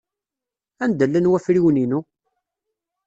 Anda llan wafriwen-inu?